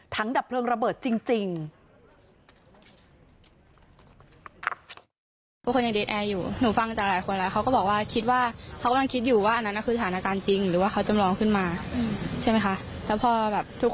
ทำดับ